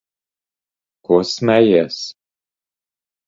Ko smejies?